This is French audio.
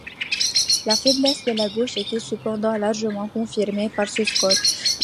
La faiblesse de la gauche était cependant largement confirmée par ce score.